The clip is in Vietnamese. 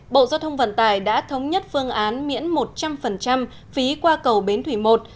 bộ giao thông vận tải đã thống nhất phương án miễn một trăm linh phí qua cầu bến thủy một